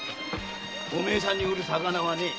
お前さんに売る魚はねえ！